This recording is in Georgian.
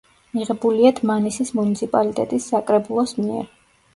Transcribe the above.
მიღებულია დმანისის მუნიციპალიტეტის საკრებულოს მიერ.